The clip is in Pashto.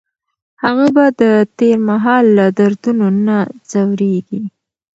هغه به د تېر مهال له دردونو نه ځوریږي.